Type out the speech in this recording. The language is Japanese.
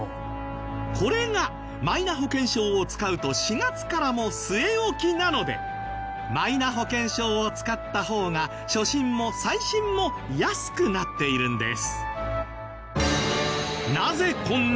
これがマイナ保険証を使うと４月からも据え置きなのでマイナ保険証を使った方が初診も再診も安くなっているんです。